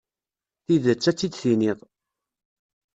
Tidet, ad tt-id-tiniḍ.